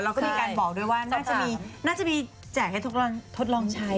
แล้วก็มีการบอกด้วยว่าน่าจะมีแจกให้ทดลองใช้